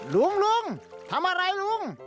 ลุงทำอะไรลุง